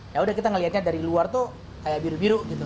ya udah kita ngelihatnya dari luar tuh kayak biru biru gitu